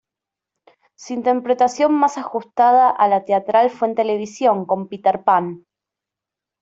Su interpretación más ajustada a la teatral fue en televisión, con "Peter Pan".